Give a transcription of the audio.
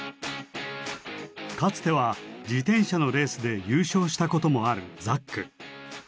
かつては自転車のレースで優勝したこともあるザック。